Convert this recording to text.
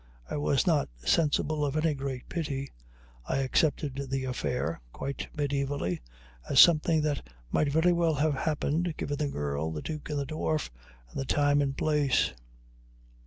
I was not sensible of any great pity; I accepted the affair, quite mediævally, as something that might very well have happened, given the girl, the duke and the dwarf, and the time and place.